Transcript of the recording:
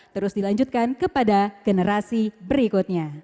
terus dilanjutkan kepada generasi berikutnya